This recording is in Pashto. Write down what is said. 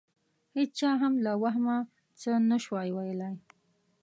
هېچا هم له وهمه څه نه شوای ویلای.